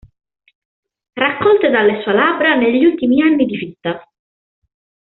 Raccolte dalle sue labbra negli ultimi anni di vita.